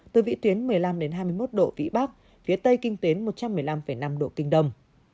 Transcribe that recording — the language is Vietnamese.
từ vị tuyến một mươi năm hai mươi một độ vĩ bắc phía tây kinh tuyến một trăm một mươi năm năm độ kinh đồng